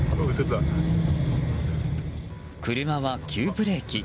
車は急ブレーキ。